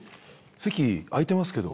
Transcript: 席空いてますけど。